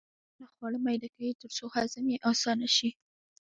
غاښونه خواړه میده کوي ترڅو هضم یې اسانه شي